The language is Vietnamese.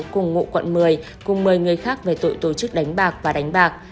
cùng ngụ quận một mươi cùng một mươi người khác về tội tổ chức đánh bạc và đánh bạc